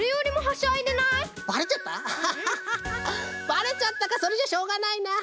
ばれちゃったかそれじゃしょうがないな。